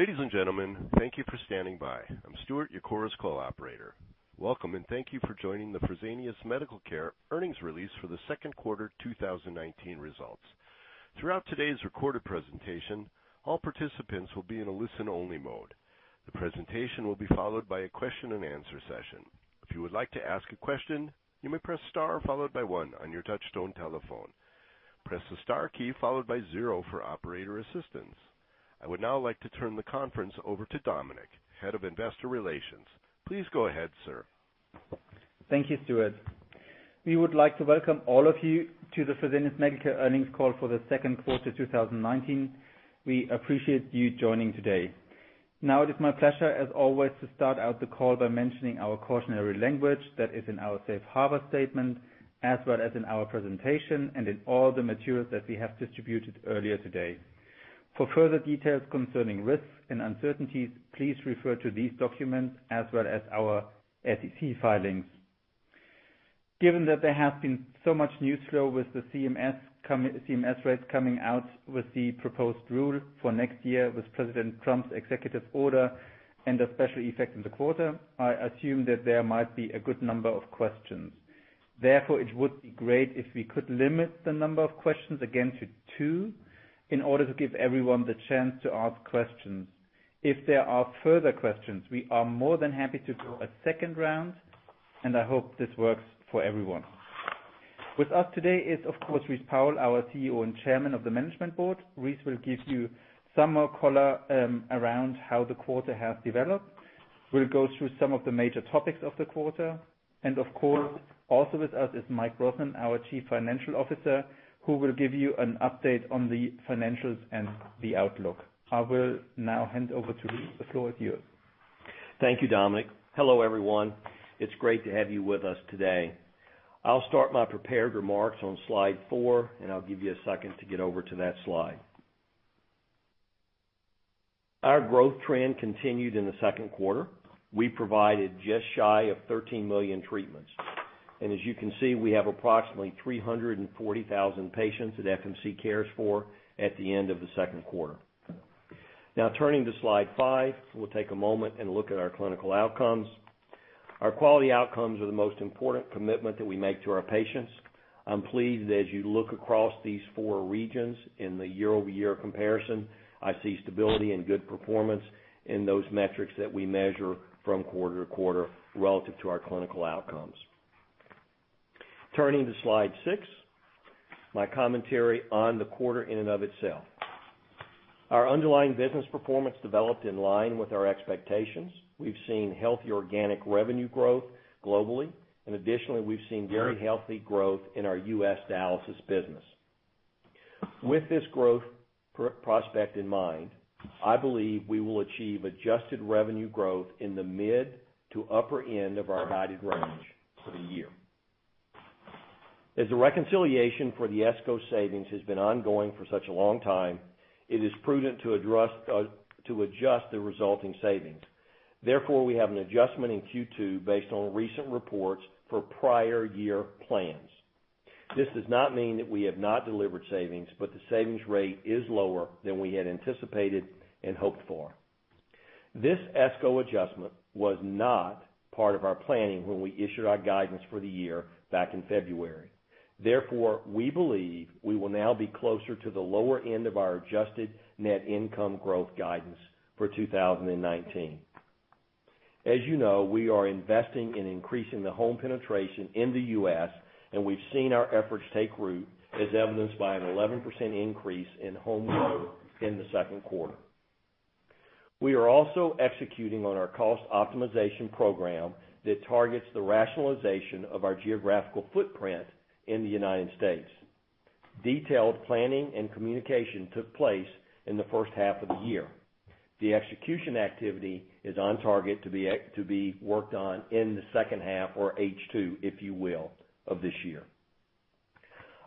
Ladies and gentlemen, thank you for standing by. I'm Stuart, your Chorus Call operator. Welcome, and thank you for joining the Fresenius Medical Care earnings release for the second quarter 2019 results. Throughout today's recorded presentation, all participants will be in a listen-only mode. The presentation will be followed by a question and answer session. If you would like to ask a question, you may press star followed by one on your touch-tone telephone. Press the star key followed by zero for operator assistance. I would now like to turn the conference over to Dominik, Head of Investor Relations. Please go ahead, sir. Thank you, Stuart. We would like to welcome all of you to the Fresenius Medical Care earnings call for the second quarter 2019. We appreciate you joining today. It is my pleasure, as always, to start out the call by mentioning our cautionary language that is in our safe harbor statement, as well as in our presentation and in all the materials that we have distributed earlier today. For further details concerning risks and uncertainties, please refer to these documents as well as our SEC filings. Given that there has been so much news flow with the CMS rates coming out with the proposed rule for next year with President Trump's executive order and the special effect in the quarter, I assume that there might be a good number of questions. Therefore, it would be great if we could limit the number of questions, again, to two in order to give everyone the chance to ask questions. If there are further questions, we are more than happy to go a second round. I hope this works for everyone. With us today is, of course, Rice Powell, our CEO and Chairman of the Management Board. Rice will give you some more color around how the quarter has developed. We'll go through some of the major topics of the quarter. Of course, also with us is Mike Brosnan, our Chief Financial Officer, who will give you an update on the financials and the outlook. I will now hand over to Rice. The floor is yours. Thank you, Dominik. Hello, everyone. It's great to have you with us today. I'll start my prepared remarks on slide four, and I'll give you a second to get over to that slide. Our growth trend continued in the second quarter. We provided just shy of 13 million treatments. As you can see, we have approximately 340,000 patients that FMC cares for at the end of the second quarter. Now, turning to slide five, we'll take a moment and look at our clinical outcomes. Our quality outcomes are the most important commitment that we make to our patients. I'm pleased as you look across these four regions in the year-over-year comparison, I see stability and good performance in those metrics that we measure from quarter to quarter relative to our clinical outcomes. Turning to slide six, my commentary on the quarter in and of itself. Our underlying business performance developed in line with our expectations. We've seen healthy organic revenue growth globally, and additionally, we've seen very healthy growth in our U.S. dialysis business. With this growth prospect in mind, I believe we will achieve adjusted revenue growth in the mid to upper end of our guided range for the year. As the reconciliation for the ESCO savings has been ongoing for such a long time, it is prudent to adjust the resulting savings. Therefore, we have an adjustment in Q2 based on recent reports for prior year plans. This does not mean that we have not delivered savings, but the savings rate is lower than we had anticipated and hoped for. This ESCO adjustment was not part of our planning when we issued our guidance for the year back in February. Therefore, we believe we will now be closer to the lower end of our adjusted net income growth guidance for 2019. As you know, we are investing in increasing the home penetration in the U.S., and we’ve seen our efforts take root as evidenced by an 11% increase in home growth in the second quarter. We are also executing on our cost optimization program that targets the rationalization of our geographical footprint in the United States. Detailed planning and communication took place in the first half of the year. The execution activity is on target to be worked on in the second half or H2, if you will, of this year.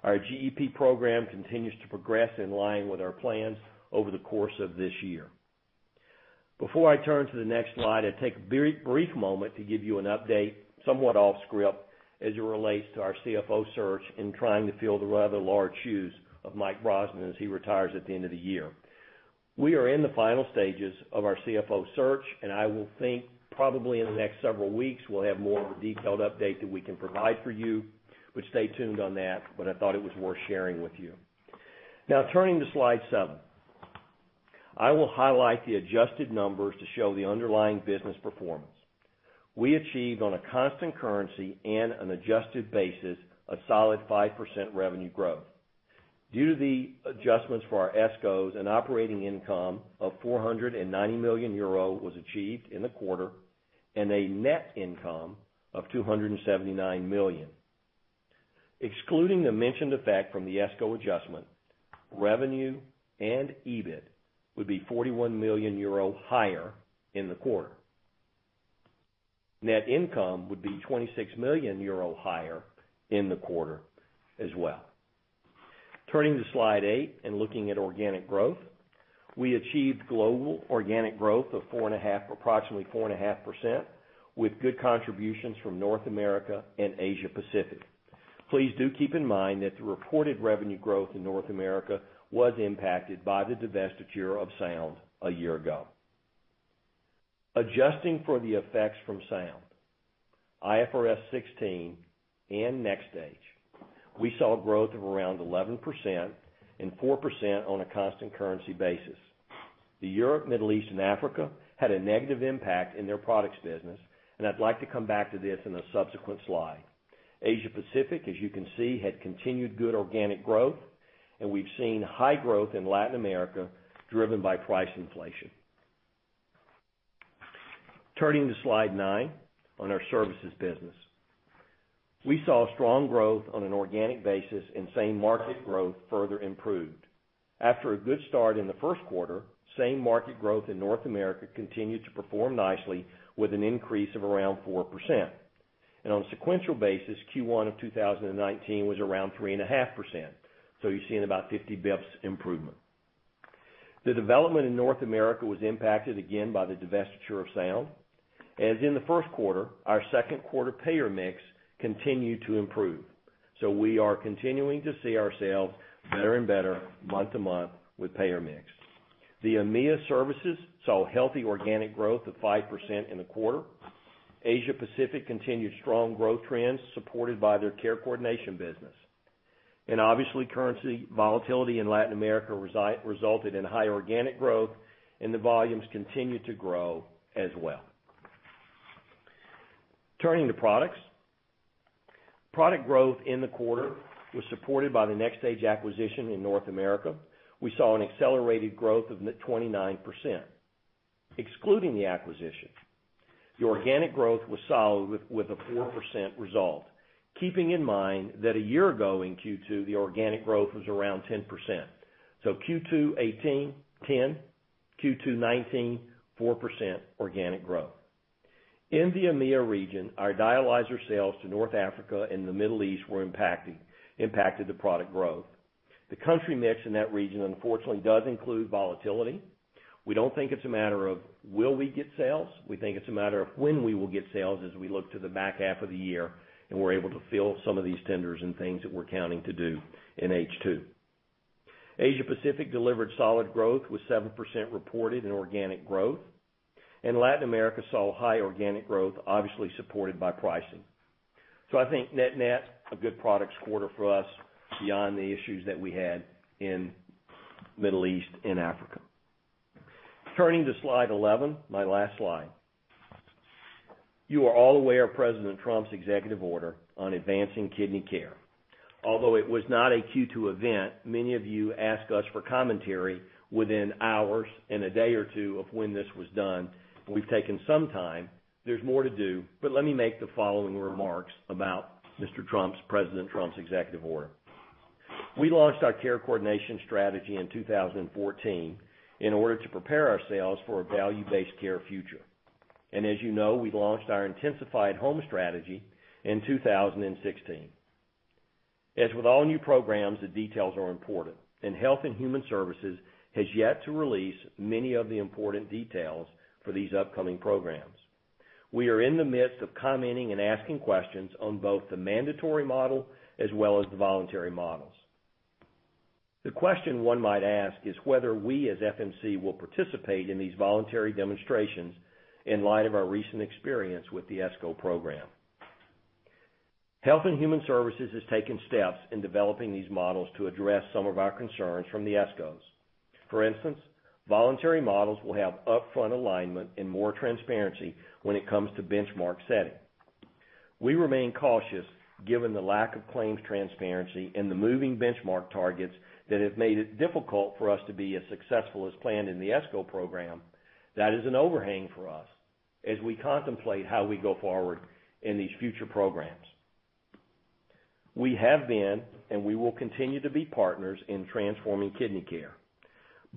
Our GEP program continues to progress in line with our plans over the course of this year. Before I turn to the next slide, I'll take a very brief moment to give you an update, somewhat off-script, as it relates to our CFO search in trying to fill the rather large shoes of Mike Brosnan as he retires at the end of the year. We are in the final stages of our CFO search, and I will think probably in the next several weeks, we'll have more of a detailed update that we can provide for you. Stay tuned on that, but I thought it was worth sharing with you. Now, turning to slide seven. I will highlight the adjusted numbers to show the underlying business performance. We achieved on a constant currency and an adjusted basis a solid 5% revenue growth. Due to the adjustments for our ESCOs, an operating income of 490 million euro was achieved in the quarter and a net income of 279 million. Excluding the mentioned effect from the ESCO adjustment, revenue and EBIT would be 41 million euro higher in the quarter. Net income would be 26 million euro higher in the quarter as well. Turning to slide eight and looking at organic growth. We achieved global organic growth of approximately 4.5% with good contributions from North America and Asia Pacific. Please do keep in mind that the reported revenue growth in North America was impacted by the divestiture of Sound a year ago. Adjusting for the effects from Sound, IFRS 16, and NxStage, we saw growth of around 11% and 4% on a constant currency basis. Europe, Middle East, and Africa had a negative impact in their products business. I'd like to come back to this in a subsequent slide. Asia Pacific, as you can see, had continued good organic growth. We've seen high growth in Latin America driven by price inflation. Turning to slide nine on our services business. We saw strong growth on an organic basis. Same market growth further improved. After a good start in the first quarter, same market growth in North America continued to perform nicely with an increase of around 4%. On a sequential basis, Q1 of 2019 was around 3.5%. You're seeing about 50 basis points improvement. The development in North America was impacted again by the divestiture of Sound. As in the first quarter, our second quarter payer mix continued to improve. We are continuing to see ourselves better and better month to month with payer mix. The EMEA services saw healthy organic growth of 5% in the quarter. Obviously, currency volatility in Latin America resulted in high organic growth, and the volumes continued to grow as well. Turning to products. Product growth in the quarter was supported by the NxStage acquisition in North America. We saw an accelerated growth of 29%. Excluding the acquisition, the organic growth was solid with a 4% result. Keeping in mind that a year ago in Q2, the organic growth was around 10%. Q2 2018, 10%, Q2 2019, 4% organic growth. In the EMEA region, our dialyzer sales to North Africa and the Middle East impacted the product growth. The country mix in that region, unfortunately, does include volatility. We don't think it's a matter of will we get sales. We think it's a matter of when we will get sales as we look to the back half of the year, and we're able to fill some of these tenders and things that we're counting to do in H2. Asia Pacific delivered solid growth with 7% reported in organic growth. Latin America saw high organic growth, obviously supported by pricing. I think net-net, a good products quarter for us beyond the issues that we had in Middle East and Africa. Turning to slide 11, my last slide. You are all aware of President Trump's Executive Order on advancing kidney care. Although it was not a Q2 event, many of you asked us for commentary within hours and a day or two of when this was done. We've taken some time. There's more to do, but let me make the following remarks about President Trump's executive order. We launched our care coordination strategy in 2014 in order to prepare ourselves for a value-based care future. As you know, we launched our intensified home strategy in 2016. As with all new programs, the details are important, and Health and Human Services has yet to release many of the important details for these upcoming programs. We are in the midst of commenting and asking questions on both the mandatory model as well as the voluntary models. The question one might ask is whether we as FMC will participate in these voluntary demonstrations in light of our recent experience with the ESCO program. Health and Human Services has taken steps in developing these models to address some of our concerns from the ESCOs. For instance, voluntary models will have upfront alignment and more transparency when it comes to benchmark setting. We remain cautious given the lack of claims transparency and the moving benchmark targets that have made it difficult for us to be as successful as planned in the ESCO program. That is an overhang for us as we contemplate how we go forward in these future programs. We have been, and we will continue to be partners in transforming kidney care,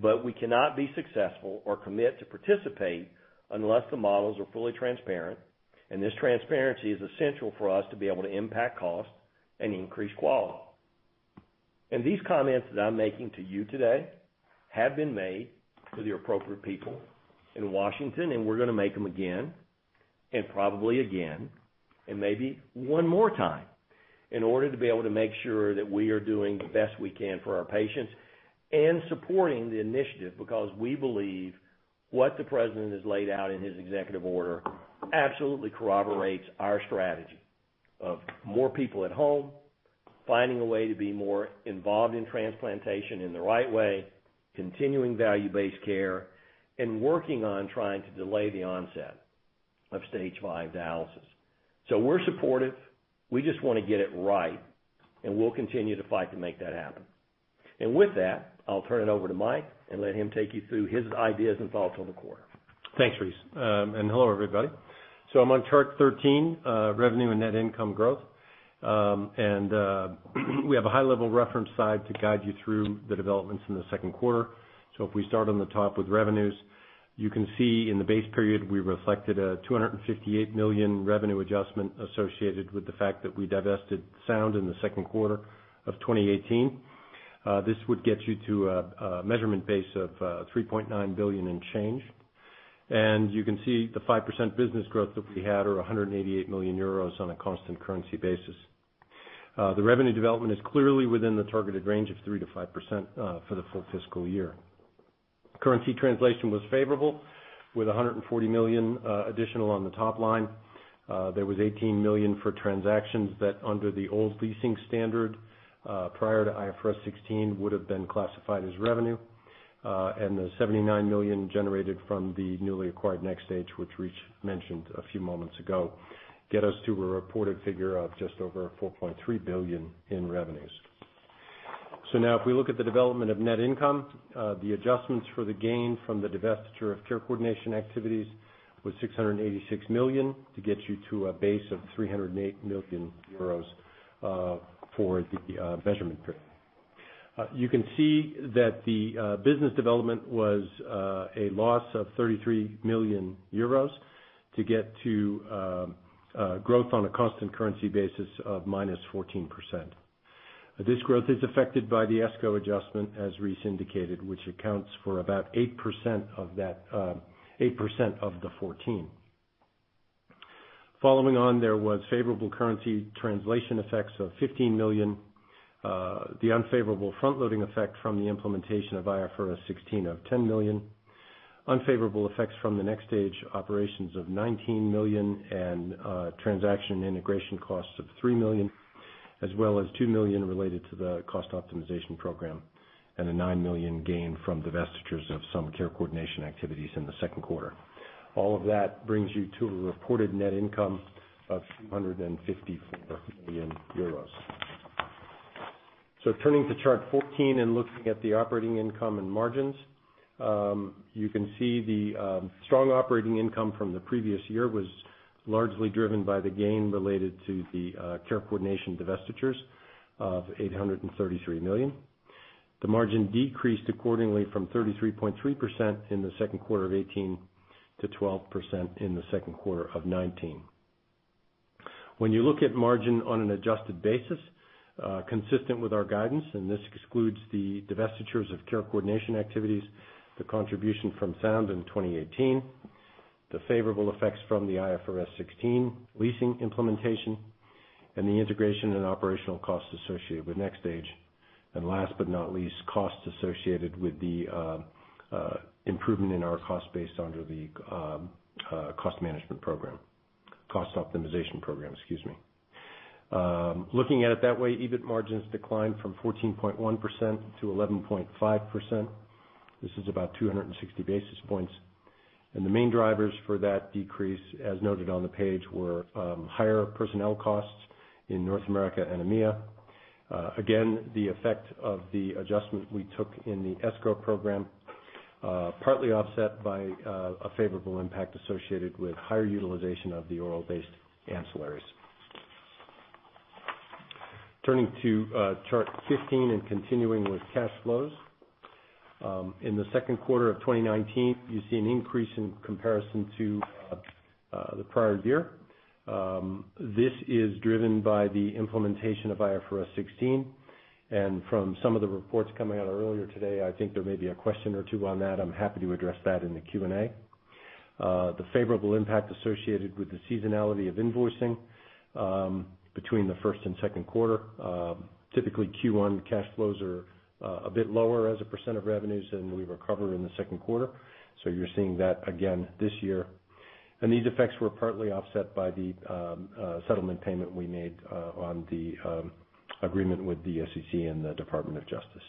but we cannot be successful or commit to participate unless the models are fully transparent, and this transparency is essential for us to be able to impact cost and increase quality. These comments that I'm making to you today have been made to the appropriate people in Washington, and we're going to make them again, and probably again, and maybe one more time in order to be able to make sure that we are doing the best we can for our patients and supporting the initiative because we believe what the President has laid out in his Executive Order absolutely corroborates our strategy of more people at home, finding a way to be more involved in transplantation in the right way, continuing value-based care, and working on trying to delay the onset of stage 5 dialysis. We're supportive. We just want to get it right, and we'll continue to fight to make that happen. With that, I'll turn it over to Mike and let him take you through his ideas and thoughts on the quarter. Thanks, Rice, hello, everybody. I'm on chart 13, revenue and net income growth. We have a high-level reference slide to guide you through the developments in the second quarter. If we start on the top with revenues, you can see in the base period, we reflected a $258 million revenue adjustment associated with the fact that we divested Sound in the second quarter of 2018. This would get you to a measurement base of 3.9 billion and change. You can see the 5% business growth that we had or 188 million euros on a constant currency basis. The revenue development is clearly within the targeted range of 3% to 5% for the full fiscal year. Currency translation was favorable with 140 million additional on the top line. There was 18 million for transactions that under the old leasing standard, prior to IFRS 16, would have been classified as revenue. The 79 million generated from the newly acquired NxStage, which Rice mentioned a few moments ago, get us to a reported figure of just over 4.3 billion in revenues. Now if we look at the development of net income, the adjustments for the gain from the divestiture of care coordination activities was 686 million to get you to a base of 308 million euros for the measurement period. You can see that the business development was a loss of 33 million euros to get to growth on a constant currency basis of -14%. This growth is affected by the escrow adjustment, as Rice indicated, which accounts for about 8% of the 14%. Following on, there was favorable currency translation effects of 15 million. The unfavorable front-loading effect from the implementation of IFRS 16 of 10 million, unfavorable effects from the NxStage operations of 19 million and transaction integration costs of 3 million, as well as 2 million related to the cost optimization program and a 9 million gain from divestitures of some care coordination activities in the second quarter. All of that brings you to a reported net income of 254 million euros. Turning to Chart 14 and looking at the operating income and margins. You can see the strong operating income from the previous year was largely driven by the gain related to the care coordination divestitures of 833 million. The margin decreased accordingly from 33.3% in the second quarter of 2018 to 12% in the second quarter of 2019. When you look at margin on an adjusted basis, consistent with our guidance, this excludes the divestitures of care coordination activities, the contribution from Sound in 2018, the favorable effects from the IFRS 16 leasing implementation, and the integration and operational costs associated with NxStage. Last but not least, costs associated with the improvement in our cost base under the cost optimization program. Looking at it that way, EBIT margins declined from 14.1% to 11.5%. This is about 260 basis points. The main drivers for that decrease, as noted on the page, were higher personnel costs in North America and EMEA. Again, the effect of the adjustment we took in the escrow program, partly offset by a favorable impact associated with higher utilization of the oral-based ancillaries. Turning to Chart 15 and continuing with cash flows. In the second quarter of 2019, you see an increase in comparison to the prior year. This is driven by the implementation of IFRS 16. From some of the reports coming out earlier today, I think there may be a question or two on that. I'm happy to address that in the Q&A. The favorable impact associated with the seasonality of invoicing between the first and second quarter. Typically, Q1 cash flows are a bit lower as a % of revenues than we recover in the second quarter. You're seeing that again this year. These effects were partly offset by the settlement payment we made on the agreement with the SEC and the Department of Justice.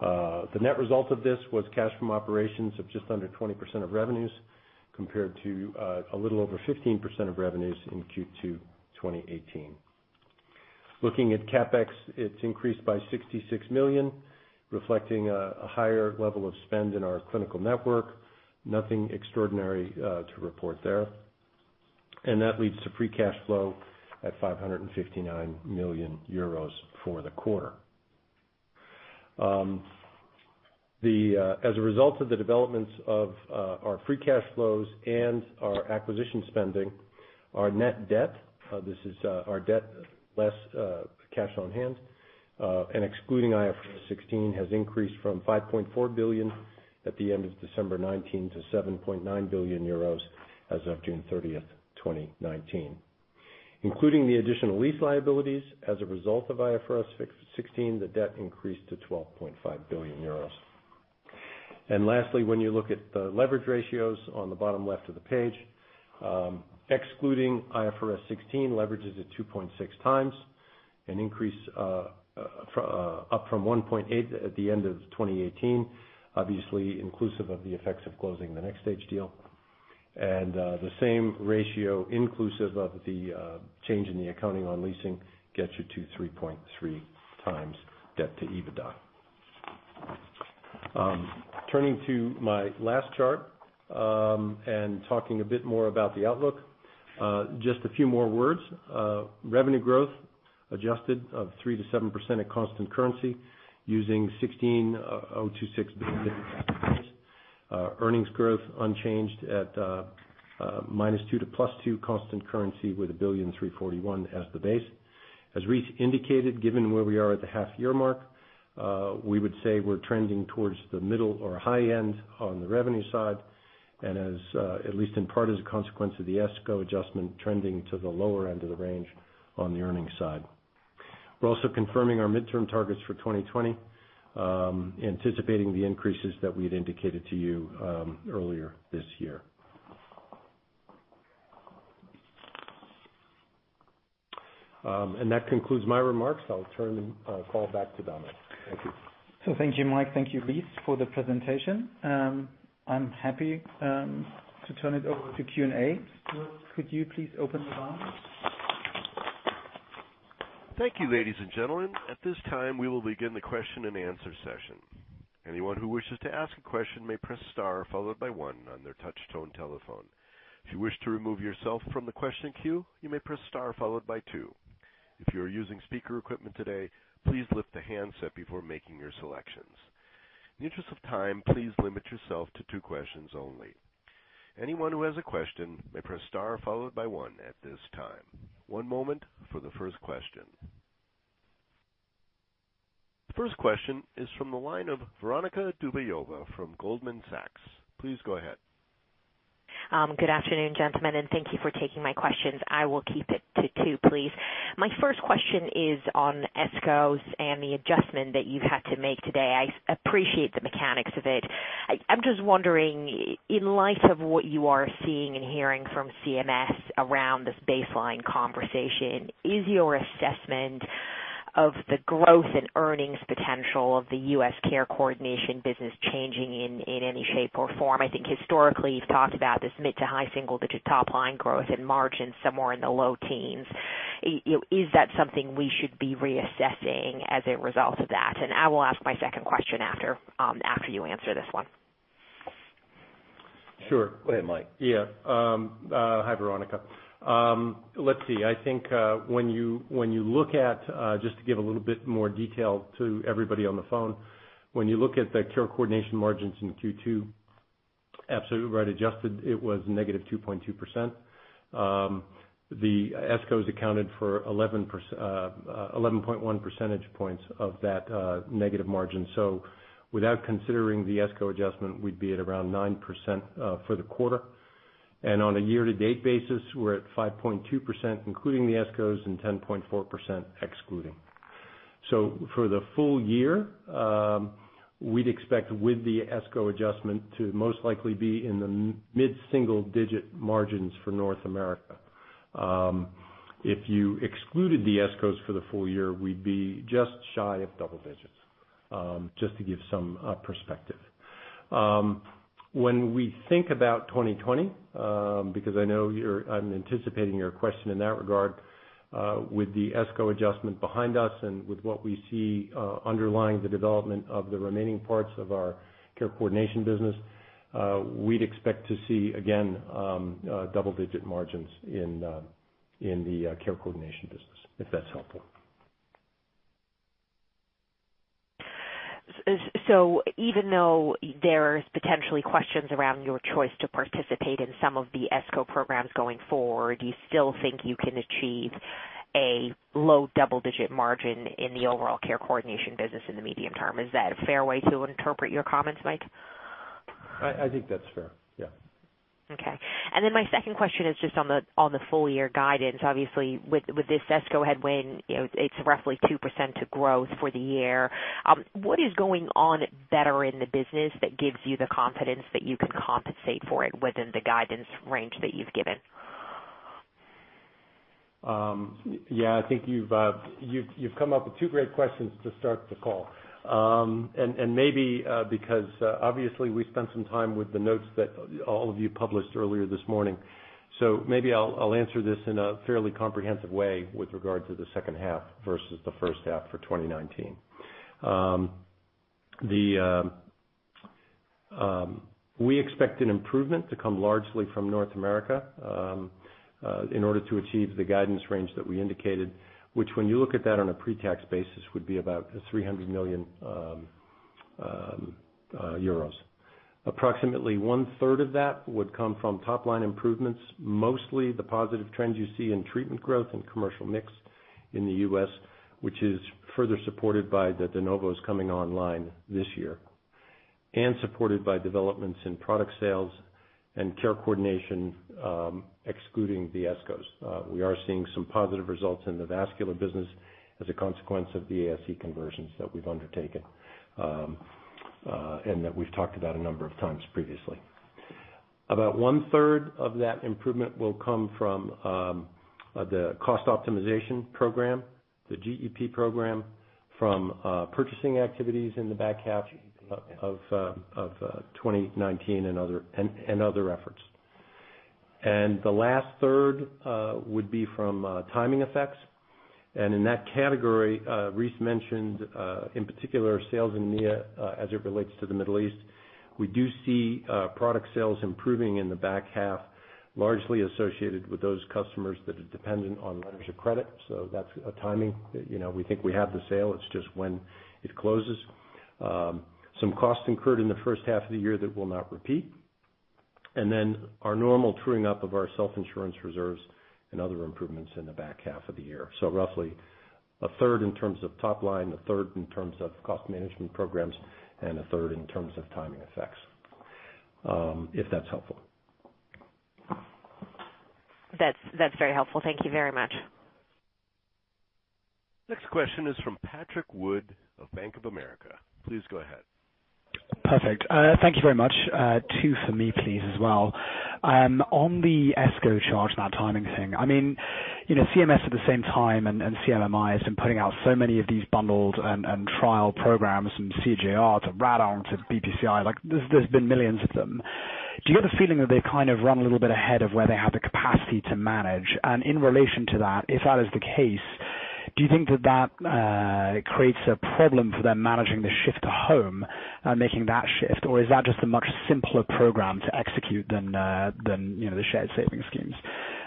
The net result of this was cash from operations of just under 20% of revenues, compared to a little over 15% of revenues in Q2 2018. Looking at CapEx, it's increased by 66 million, reflecting a higher level of spend in our clinical network. Nothing extraordinary to report there. That leads to free cash flow at 559 million euros for the quarter. As a result of the developments of our free cash flows and our acquisition spending, our net debt, this is our debt less cash on hand, and excluding IFRS 16, has increased from 5.4 billion at the end of December 2019 to 7.9 billion euros as of June 30, 2019. Including the additional lease liabilities as a result of IFRS 16, the debt increased to 12.5 billion euros. Lastly, when you look at the leverage ratios on the bottom left of the page, excluding IFRS 16, leverage is at 2.6 times, an increase up from 1.8 at the end of 2018, obviously inclusive of the effects of closing the NxStage deal. The same ratio inclusive of the change in the accounting on leasing gets you to 3.3x debt to EBITDA. Turning to my last chart, and talking a bit more about the outlook. Just a few more words. Revenue growth adjusted of 3% to 7% at constant currency using 16,026. Earnings growth unchanged at -2 to +2 constant currency with 1.341 billion as the base. As Rice indicated, given where we are at the half-year mark, we would say we're trending towards the middle or high end on the revenue side, and at least in part as a consequence of the ESCO adjustment trending to the lower end of the range on the earnings side. We're also confirming our midterm targets for 2020, anticipating the increases that we had indicated to you earlier this year. That concludes my remarks. I'll turn the call back to Dominik. Thank you. Thank you, Mike. Thank you, Rice, for the presentation. I'm happy to turn it over to Q&A. Stuart, could you please open the line? Thank you, ladies and gentlemen. At this time, we will begin the question and answer session. Anyone who wishes to ask a question may press star followed by one on their touch-tone telephone. If you wish to remove yourself from the question queue, you may press star followed by two. If you are using speaker equipment today, please lift the handset before making your selections. In the interest of time, please limit yourself to two questions only. Anyone who has a question may press star followed by one at this time. One moment for the first question. The first question is from the line of Veronika Dubajova from Goldman Sachs. Please go ahead. Good afternoon, gentlemen. Thank you for taking my questions. I will keep it to two, please. My first question is on ESCOs and the adjustment that you've had to make today. I appreciate the mechanics of it. I'm just wondering, in light of what you are seeing and hearing from CMS around this baseline conversation, is your assessment of the growth and earnings potential of the U.S. Care Coordination business changing in any shape or form? I think historically you've talked about this mid to high single-digit top-line growth and margin somewhere in the low teens. Is that something we should be reassessing as a result of that? I will ask my second question after you answer this one. Sure. Go ahead, Mike. Hi, Veronika. Let's see, just to give a little bit more detail to everybody on the phone, when you look at the care coordination margins in Q2, absolutely right, adjusted, it was -2.2%. The ESCOs accounted for 11.1 percentage points of that negative margin. Without considering the ESCO adjustment, we'd be at around 9% for the quarter. On a year-to-date basis, we're at 5.2%, including the ESCOs, and 10.4% excluding. For the full- year, we'd expect with the ESCO adjustment to most likely be in the mid-single digit margins for North America. If you excluded the ESCOs for the full- year, we'd be just shy of double digits, just to give some perspective. When we think about 2020, because I'm anticipating your question in that regard, with the ESCO adjustment behind us and with what we see underlying the development of the remaining parts of our care coordination business, we'd expect to see, again, double-digit margins in the care coordination business, if that's helpful. Even though there's potentially questions around your choice to participate in some of the ESCO programs going forward, do you still think you can achieve a low double-digit margin in the overall care coordination business in the medium term? Is that a fair way to interpret your comments, Mike? I think that's fair, yeah. Okay. My second question is just on the full-year guidance. Obviously, with this ESCO headwind, it's roughly 2% of growth for the year. What is going on better in the business that gives you the confidence that you can compensate for it within the guidance range that you've given? Yeah, I think you've come up with two great questions to start the call. Maybe because obviously we spent some time with the notes that all of you published earlier this morning. Maybe I'll answer this in a fairly comprehensive way with regard to the second half versus the first half for 2019. We expect an improvement to come largely from North America in order to achieve the guidance range that we indicated, which when you look at that on a pre-tax basis, would be about €300 million. Approximately one-third of that would come from top-line improvements, mostly the positive trends you see in treatment growth and commercial mix in the U.S., which is further supported by the de novos coming online this year, and supported by developments in product sales and care coordination, excluding the ESCOs. We are seeing some positive results in the vascular business as a consequence of the ASC conversions that we've undertaken, and that we've talked about a number of times previously. About one-third of that improvement will come from the cost optimization program, the GEP program, from purchasing activities in the back half of 2019, and other efforts. The last third would be from timing effects. In that category, Rice mentioned, in particular, sales in MEA, as it relates to the Middle East. We do see product sales improving in the back half, largely associated with those customers that are dependent on letters of credit. That's a timing. We think we have the sale, it's just when it closes. Some costs incurred in the first half of the year that will not repeat. Our normal truing up of our self-insurance reserves and other improvements in the back half of the year. Roughly a third in terms of top line, a third in terms of cost management programs, and a third in terms of timing effects. If that's helpful. That's very helpful. Thank you very much. Next question is from Patrick Wood of Bank of America. Please go ahead. Perfect. Thank you very much. Two for me, please, as well. On the ESCO charge, that timing thing. CMS at the same time, CMMI has been putting out so many of these bundles and trial programs from CJR to RADON to BPCI. There's been millions of them. Do you get the feeling that they run a little bit ahead of where they have the capacity to manage? In relation to that, if that is the case, do you think that creates a problem for them managing the shift to home and making that shift? Is that just a much simpler program to execute than the shared savings schemes?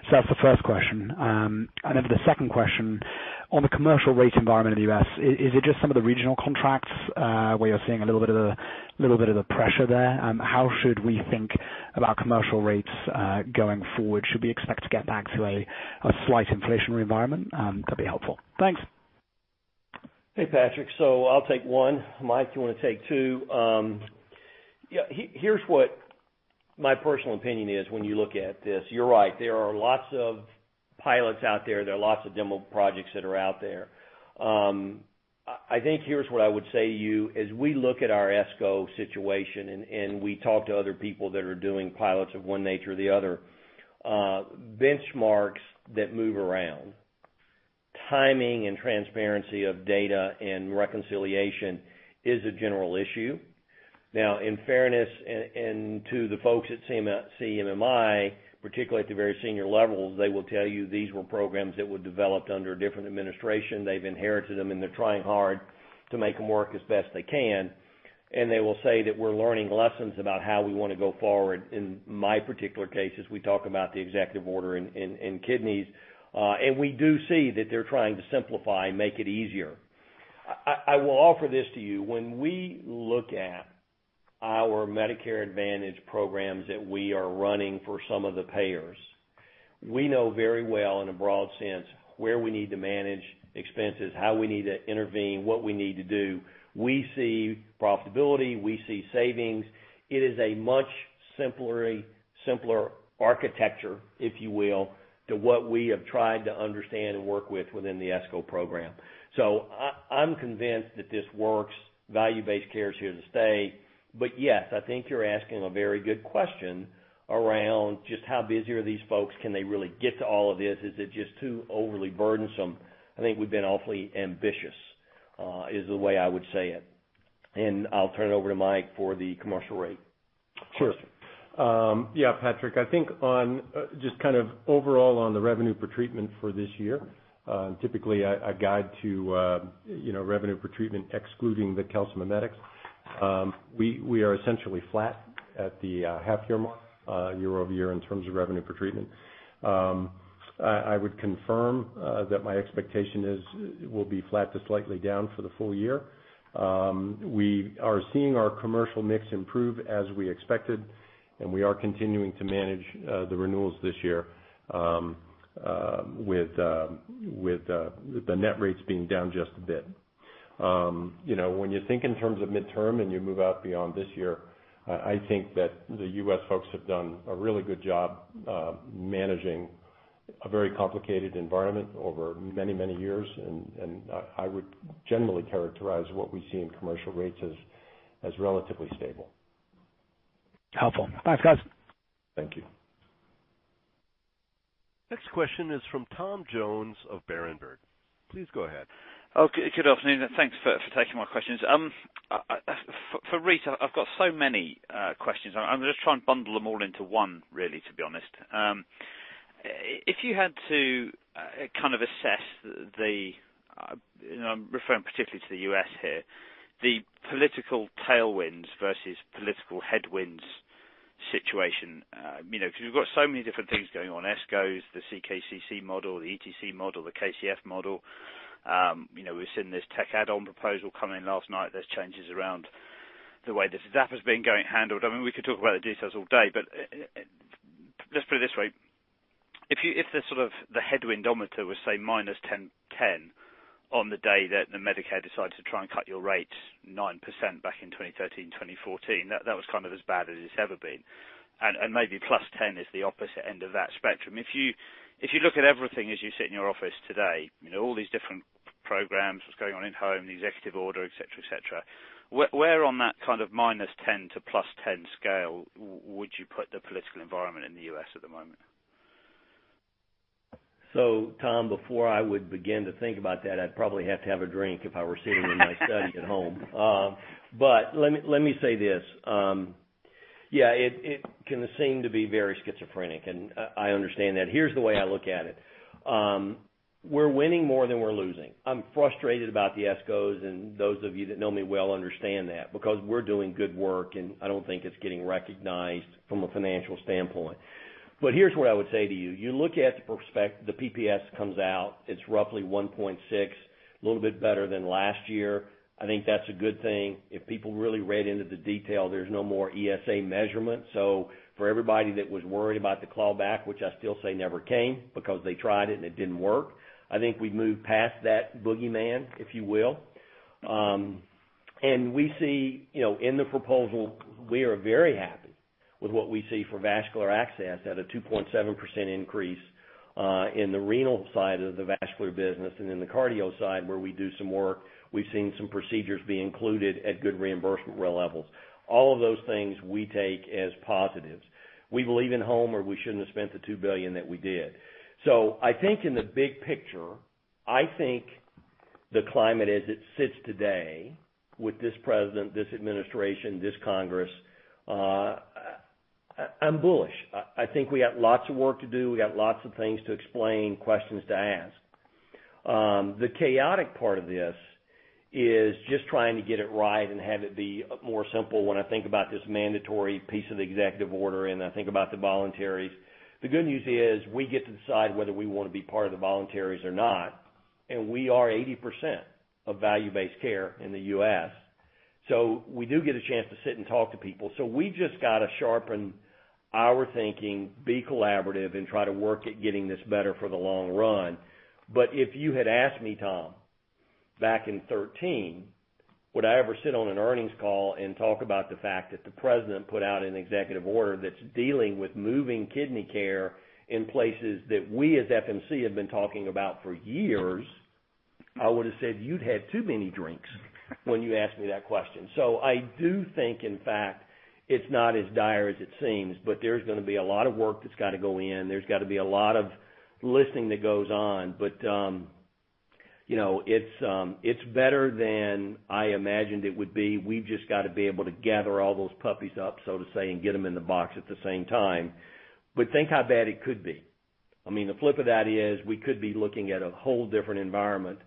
That's the first question. For the second question, on the commercial rate environment in the U.S., is it just some of the regional contracts where you're seeing a little bit of the pressure there? How should we think about commercial rates going forward? Should we expect to get back to a slight inflationary environment? That would be helpful. Thanks. Hey, Patrick. I'll take one. Mike, do you want to take two? Here's what my personal opinion is when you look at this. You're right. There are lots of pilots out there. There are lots of demo projects that are out there. I think here's what I would say to you. As we look at our ESCO situation and we talk to other people that are doing pilots of one nature or the other, benchmarks that move around. Timing and transparency of data and reconciliation is a general issue. In fairness, and to the folks at CMMI, particularly at the very senior levels, they will tell you these were programs that were developed under a different administration. They've inherited them, and they're trying hard to make them work as best they can. They will say that we're learning lessons about how we want to go forward. In my particular case, as we talk about the Executive Order in kidneys. We do see that they're trying to simplify and make it easier. I will offer this to you. When we look at our Medicare Advantage programs that we are running for some of the payers, we know very well in a broad sense where we need to manage expenses, how we need to intervene, what we need to do. We see profitability, we see savings. It is a much simpler architecture, if you will, to what we have tried to understand and work with within the ESCO program. I'm convinced that this works. Value-based care is here to stay. Yes, I think you're asking a very good question around just how busy are these folks, can they really get to all of this? Is it just too overly burdensome? I think we've been awfully ambitious, is the way I would say it. I'll turn it over to Mike for the commercial rate. Sure. Yeah, Patrick, I think on just overall on the revenue per treatment for this year. Typically, I guide to revenue per treatment excluding the calcimimetics. We are essentially flat at the half year mark, year-over-year in terms of revenue per treatment. I would confirm that my expectation is it will be flat to slightly down for the full year. We are seeing our commercial mix improve as we expected, we are continuing to manage the renewals this year with the net rates being down just a bit. When you think in terms of midterm and you move out beyond this year, I think that the U.S. folks have done a really good job managing a very complicated environment over many, many years, I would generally characterize what we see in commercial rates as relatively stable. Helpful. Thanks, guys. Thank you. Next question is from Tom Jones of Berenberg. Please go ahead. Okay. Good afternoon, thanks for taking my questions. For Rita, I've got so many questions. I'm going to try and bundle them all into one, really, to be honest. If you had to assess the, I'm referring particularly to the U.S. here, the political tailwinds versus political headwinds situation. You've got so many different things going on, ESCOs, the CKCC model, the ETC model, the KCF model. We've seen this tech add-on proposal come in last night. There's changes around the way this ZAP has been handled. I mean, we could talk about the details all day, but let's put it this way. If the headwindometer was, say, -10 on the day that the Medicare decided to try and cut your rates 9% back in 2013, 2014, that was as bad as it's ever been. Maybe plus 10 is the opposite end of that spectrum. If you look at everything as you sit in your office today, all these different programs, what's going on in home, the executive order, et cetera. Where on that -10 to +10 scale would you put the political environment in the U.S. at the moment? Tom, before I would begin to think about that, I'd probably have to have a drink if I were sitting in my study at home. Let me say this. Yeah, it can seem to be very schizophrenic, and I understand that. Here's the way I look at it. We're winning more than we're losing. I'm frustrated about the ESCOs, and those of you that know me well understand that, because we're doing good work, and I don't think it's getting recognized from a financial standpoint. Here's what I would say to you. You look at the PPS comes out, it's roughly 1.6, a little bit better than last year. I think that's a good thing. If people really read into the detail, there's no more ESA measurement. For everybody that was worried about the clawback, which I still say never came because they tried it and it didn't work, I think we've moved past that boogeyman, if you will. We see in the proposal, we are very happy with what we see for vascular access at a 2.7% increase in the renal side of the vascular business and in the cardio side where we do some work, we've seen some procedures be included at good reimbursement levels. All of those things we take as positives. We believe in home or we shouldn't have spent the 2 billion that we did. I think in the big picture, I think the climate as it sits today with this president, this administration, this Congress, I'm bullish. I think we got lots of work to do. We got lots of things to explain, questions to ask. The chaotic part of this is just trying to get it right and have it be more simple when I think about this mandatory piece of the Executive Order and I think about the voluntaries. The good news is we get to decide whether we want to be part of the voluntaries or not, and we are 80% of value-based care in the U.S. We do get a chance to sit and talk to people. We just got to sharpen our thinking, be collaborative, and try to work at getting this better for the long run. If you had asked me, Tom, back in 2013, would I ever sit on an earnings call and talk about the fact that the president put out an executive order that's dealing with moving kidney care in places that we as FMC have been talking about for years, I would've said you'd had too many drinks when you asked me that question. I do think, in fact, it's not as dire as it seems, but there's going to be a lot of work that's got to go in. There's got to be a lot of listening that goes on, but it's better than I imagined it would be. We've just got to be able to gather all those puppies up, so to say, and get them in the box at the same time. Think how bad it could be. The flip of that is we could be looking at a whole different environment,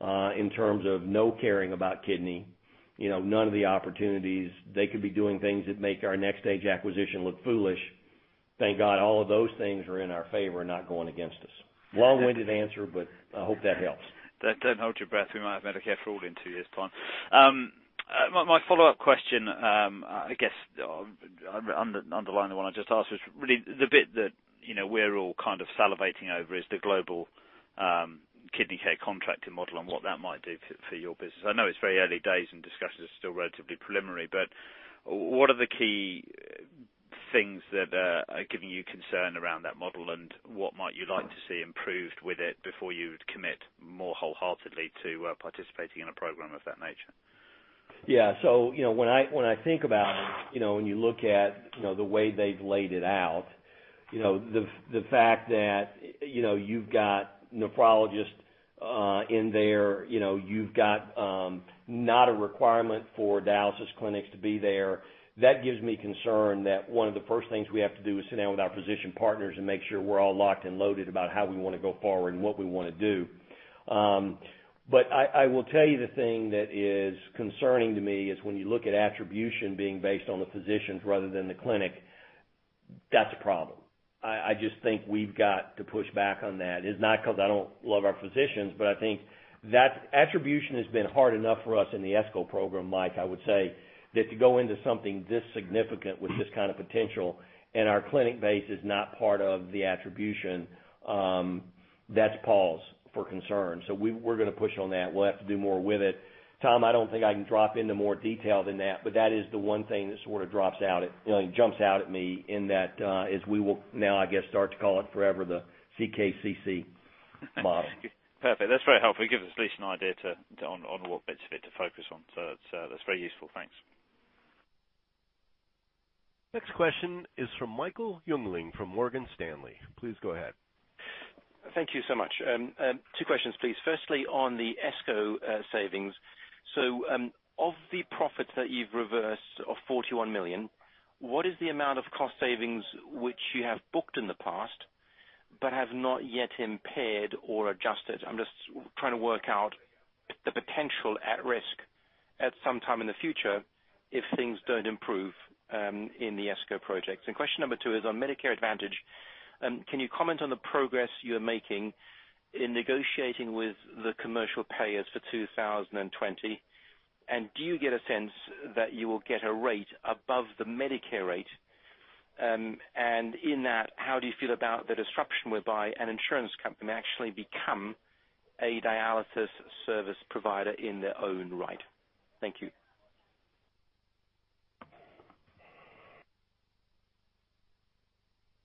in terms of no caring about kidney, none of the opportunities. They could be doing things that make our NxStage acquisition look foolish. Thank God all of those things are in our favor and not going against us. Long-winded answer, but I hope that helps. Don't hold your breath. We might have Medicare for All in two years' time. My follow-up question, I guess, underlying the one I just asked was really the bit that we're all kind of salivating over is the Global Kidney Care Contracting Model and what that might do for your business. I know it's very early days and discussions are still relatively preliminary. What are the key things that are giving you concern around that model, and what might you like to see improved with it before you'd commit more wholeheartedly to participating in a program of that nature? Yeah. When I think about it, when you look at the way they've laid it out, the fact that you've got nephrologists in there, you've got not a requirement for dialysis clinics to be there. That gives me concern that one of the first things we have to do is sit down with our physician partners and make sure we're all locked and loaded about how we want to go forward and what we want to do. I will tell you the thing that is concerning to me is when you look at attribution being based on the physicians rather than the clinic, that's a problem. I just think we've got to push back on that. It's not because I don't love our physicians, but I think that attribution has been hard enough for us in the ESCO program, Mike, I would say, that to go into something this significant with this kind of potential and our clinic base is not part of the attribution, that's pause for concern. We're going to push on that. We'll have to do more with it. Tom, I don't think I can drop into more detail than that, but that is the one thing that sort of jumps out at me in that as we will now, I guess, start to call it forever the CKCC model. Perfect. That's very helpful. It gives us at least an idea on what bits of it to focus on. That's very useful. Thanks. Next question is from Michael Jungling from Morgan Stanley. Please go ahead. Thank you so much. Two questions, please. Firstly, on the ESCO savings. Of the profits that you've reversed of $41 million, what is the amount of cost savings which you have booked in the past but have not yet impaired or adjusted? I'm just trying to work out the potential at risk at some time in the future if things don't improve in the ESCO projects. Question number two is on Medicare Advantage. Can you comment on the progress you're making in negotiating with the commercial payers for 2020, and do you get a sense that you will get a rate above the Medicare rate? In that, how do you feel about the disruption whereby an insurance company actually become a dialysis service provider in their own right? Thank you.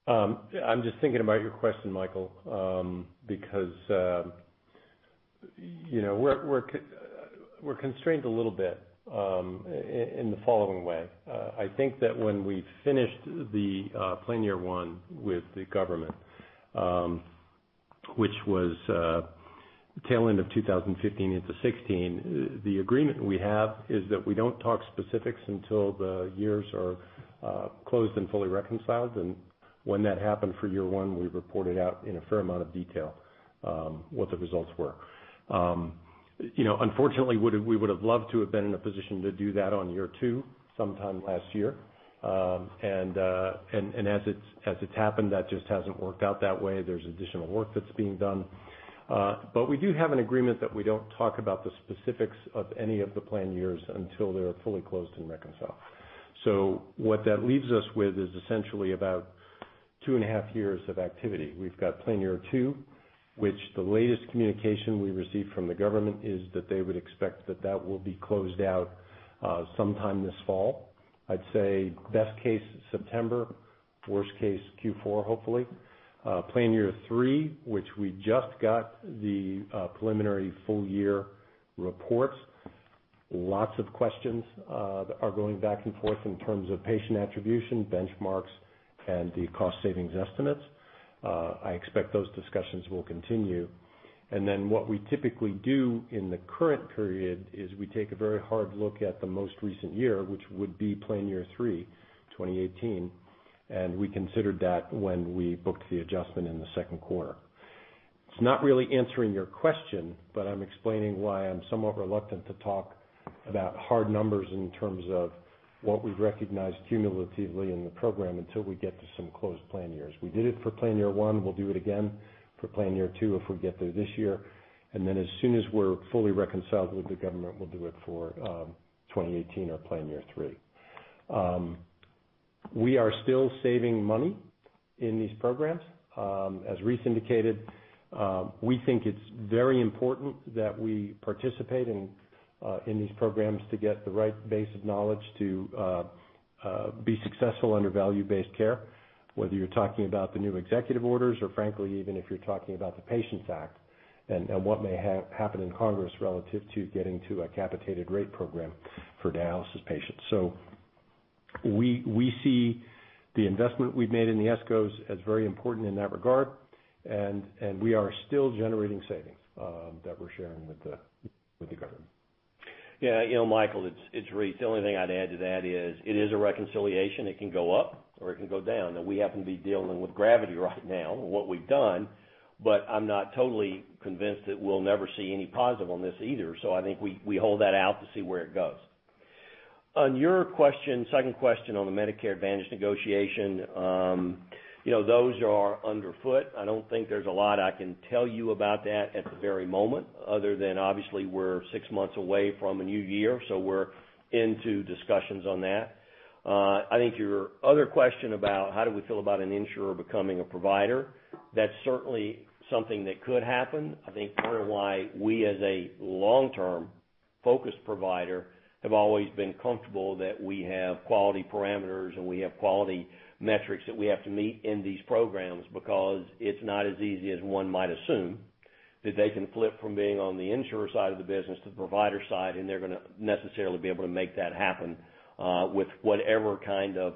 I'm just thinking about your question, Michael, because we're constrained a little bit in the following way. I think that when we finished the plan year one with the government, which was tail end of 2015 into 2016, the agreement we have is that we don't talk specifics until the years are closed and fully reconciled. Unfortunately, we would have loved to have been in a position to do that on year two sometime last year. As it's happened, that just hasn't worked out that way. There's additional work that's being done. We do have an agreement that we don't talk about the specifics of any of the plan years until they're fully closed and reconciled. What that leaves us with is essentially about 2.5 years of activity. We've got Plan Year two, which the latest communication we received from the government is that they would expect that that will be closed out sometime this fall. I'd say best case, September, worst case, Q4, hopefully. Plan Year 3, which we just got the preliminary full-year reports. Lots of questions that are going back and forth in terms of patient attribution, benchmarks, and the cost savings estimates. I expect those discussions will continue. What we typically do in the current period is we take a very hard look at the most recent year, which would be Plan Year three, 2018, and we considered that when we booked the adjustment in the second quarter. It's not really answering your question, but I'm explaining why I'm somewhat reluctant to talk about hard numbers in terms of what we've recognized cumulatively in the program until we get to some closed plan years. We did it for plan year one. We'll do it again for plan year two if we get there this year. Then as soon as we're fully reconciled with the government, we'll do it for 2018 or plan year three. We are still saving money in these programs. As Rice indicated, we think it's very important that we participate in these programs to get the right base of knowledge to be successful under value-based care, whether you're talking about the new Executive Orders or frankly, even if you're talking about the PATIENTS Act and what may happen in Congress relative to getting to a capitated rate program for dialysis patients. We see the investment we've made in the ESCOs as very important in that regard, and we are still generating savings that we're sharing with the government. Michael, it's Rice. The only thing I'd add to that is it is a reconciliation. It can go up, or it can go down. We happen to be dealing with gravity right now in what we've done. I'm not totally convinced that we'll never see any positive on this either. I think we hold that out to see where it goes. On your second question on the Medicare Advantage negotiation, those are underfoot. I don't think there's a lot I can tell you about that at the very moment, other than obviously we're six months away from a new year. We're into discussions on that. I think your other question about how do we feel about an insurer becoming a provider, that's certainly something that could happen. I think part of why we, as a long-term focused provider, have always been comfortable that we have quality parameters and we have quality metrics that we have to meet in these programs because it's not as easy as one might assume that they can flip from being on the insurer side of the business to the provider side, and they're going to necessarily be able to make that happen, with whatever kind of